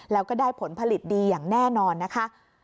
แล้วก็ได้ผลผลิตดีอย่างแน่นอนนะคะ